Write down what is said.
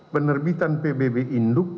penerbitan pbb in look